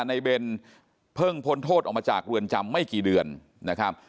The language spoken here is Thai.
เบนเพิ่งพ้นโทษออกมาจากเรือนจำไม่กี่เดือนนะครับ